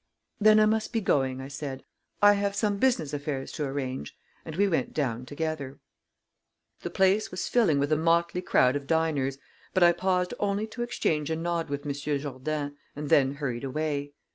"Then I must be going," I said; "I have some business affairs to arrange," and we went down together. The place was filling with a motley crowd of diners, but I paused only to exchange a nod with Monsieur Jourdain, and then hurried away.